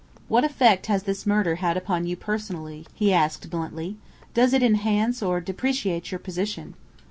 "What effect has this murder had upon you personally?" he asked bluntly. "Does it enhance or depreciate your position?"